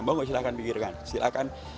mau gak silahkan pikirkan silahkan